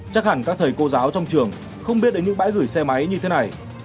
chắc hẳn các thầy cô giáo trong trường không biết đến những bãi gửi xe máy như thế này